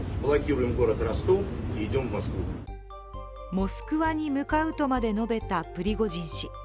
モスクワに向かうとまで述べたプリゴジン氏。